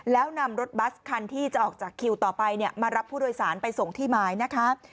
แล้วนำรถบัสคันที่จะออกจากคิวต่อไปมารับผู้โดยสารไปส่งที่หมายนะคะ